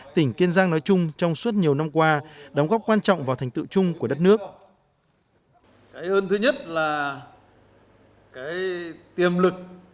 tỉnh kiên giang nói chung trong suốt nhiều năm qua đóng góp quan trọng vào thành tựu chung của đất nước